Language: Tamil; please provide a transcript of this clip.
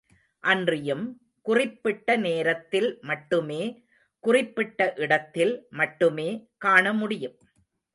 அன்றியும், குறிப்பிட்ட நேரத்தில் மட்டுமே குறிப்பிட்ட இடத்தில் மட்டுமே காண முடியும்.